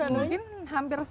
mungkin hampir seratus ya